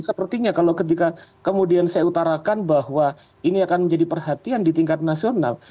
sepertinya kalau ketika kemudian saya utarakan bahwa ini akan menjadi perhatian di tingkat nasional